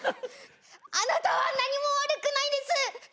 「あなたは何も悪くないです」